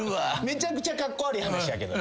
めちゃくちゃカッコ悪い話やけど。